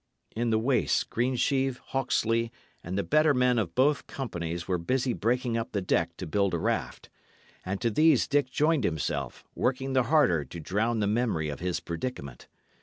In the waist, Greensheve, Hawksley, and the better men of both companies were busy breaking up the deck to build a raft; and to these Dick joined himself, working the harder to drown the memory of his predicament.